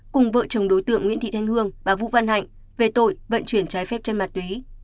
cùng vợ chồng đối tượng nguyễn thị thanh hương và vũ văn hạnh về tội vận chuyển trái phép trên ma túy